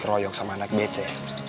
ngeroyok sama anak bece